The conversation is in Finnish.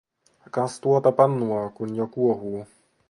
Kas tuota pannua, kun jo kuohuu.